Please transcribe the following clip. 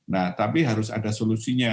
nah tapi harus ada solusinya